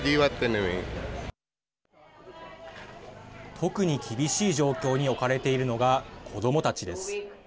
特に厳しい状況に置かれているのが子どもたちです。